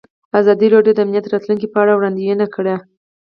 ازادي راډیو د امنیت د راتلونکې په اړه وړاندوینې کړې.